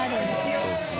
そうですね。